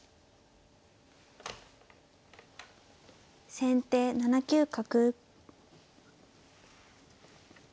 先手７九角。